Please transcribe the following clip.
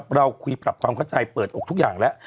เราคุยปรับความเข้าใจเปิดอกทุกอย่างแล้ว